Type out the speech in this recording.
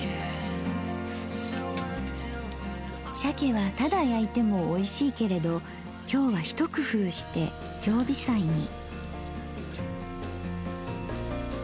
鮭はただ焼いてもおいしいけれど今日は一工夫して常備菜に。